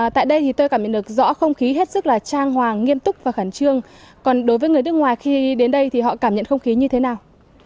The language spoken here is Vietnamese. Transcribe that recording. tại đây thì tôi cảm nhận được rõ không khí hết sức là trang hoàng nghiêm túc và khẩn trương còn đối với người nước ngoài khi đến đây thì họ cảm nhận không khí như thế nào